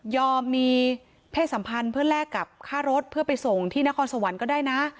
มีเพศสัมพันธ์เพื่อแลกกับค่ารถเพื่อไปส่งที่นครสวรรค์ก็ได้นะ